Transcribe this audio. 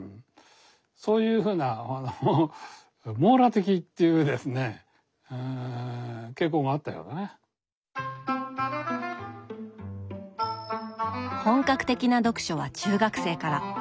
そういうふうな本格的な読書は中学生から。